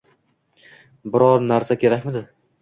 Biron narsa kerakmidi